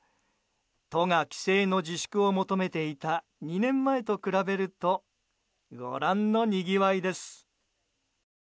都が帰省の自粛を求めていた２年前と比べるとご覧のにぎわいです。